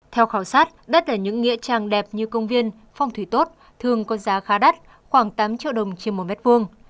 theo khảo sát đất ở những nghĩa trang đẹp như công viên phòng thủy tốt thường có giá khá đắt khoảng tám triệu đồng trên một mét vuông